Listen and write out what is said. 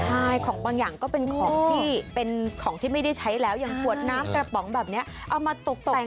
ใช่ของบางอย่างก็เป็นของที่เป็นของที่ไม่ได้ใช้แล้วอย่างขวดน้ำกระป๋องแบบนี้เอามาตกแต่ง